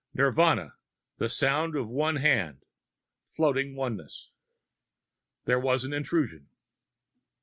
Nirvana. (The sound of one hand.... Floating oneness.) There was an intrusion.